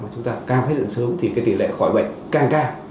chúng ta càng phát hiện sớm thì tỷ lệ khỏi bệnh càng cao